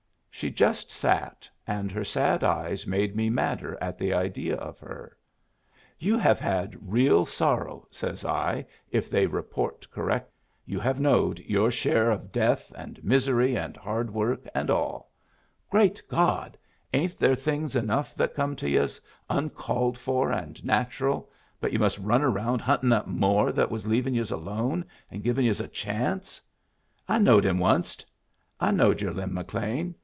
She just sat, and her sad eyes made me madder at the idea of her. 'You have had real sorrow,' says I, 'if they report correct. You have knowed your share of death, and misery, and hard work, and all. Great God! ain't there things enough that come to yus uncalled for and natural, but you must run around huntin' up more that was leavin' yus alone and givin' yus a chance? I knowed him onced. I knowed your Lin McLean.